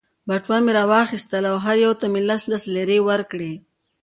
بټوه مې را وایستل او هرې یوې ته مې لس لس لیرې ورکړې.